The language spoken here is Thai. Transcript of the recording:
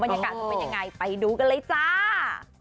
บรรยากาศจะเป็นยังไงไปดูกันเลยจ้า